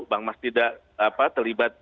bang max tidak terlibat